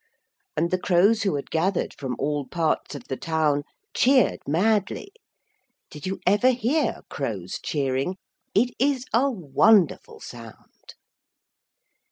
And the crows who had gathered from all parts of the town cheered madly. Did you ever hear crows cheering? It is a wonderful sound.